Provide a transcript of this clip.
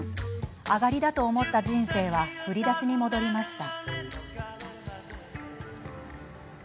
あがりだと思った人生は振り出しに戻りました。